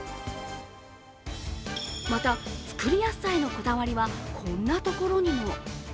また、作りやすさへのこだわりはこんなところにも。